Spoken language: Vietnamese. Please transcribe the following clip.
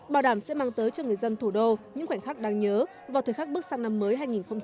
bảo đảm sẽ mang tới cho người dân thủ đô những khoảnh khắc đáng nhớ vào thời khắc bước sang năm mới hai nghìn hai mươi